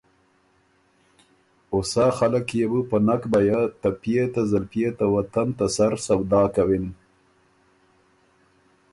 او سا خلق يې بُو په نک بیعه ته پيے ته زلپئے ته وطن ته سر سودا کِون۔